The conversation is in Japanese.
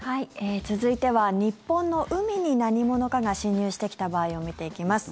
続いては日本の海に何者かが侵入してきた場合を見ていきます。